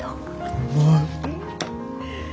うまい！